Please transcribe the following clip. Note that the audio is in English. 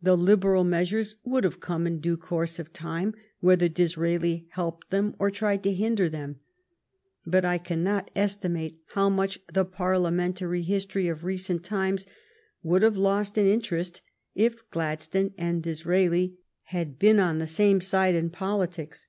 The liberal measures would have come in due course of time whether Disraeli helped them or tried to hinder them. But I cannot esti mate how much the Parliamentary history of recent times would have lost in interest if Gladstone and Disraeli had been on the same side in politics.